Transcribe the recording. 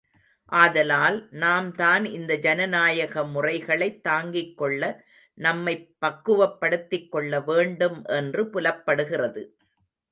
ஆதலால், நாம்தான் இந்த ஜனநாயக முறைகளைத் தாங்கிக் கொள்ள நம்மைப் பக்குவப் படுத்திக் கொள்ள வேண்டும் என்று புலப்படுகிறது.